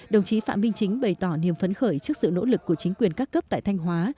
đồng chí phạm minh chính bày tỏ niềm phấn khởi trước sự nỗ lực của chính quyền các cấp tại thanh hóa